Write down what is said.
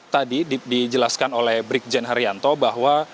tadi dijelaskan oleh brigjen haryanto bahwa